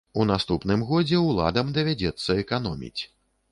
У наступным годзе уладам давядзецца эканоміць.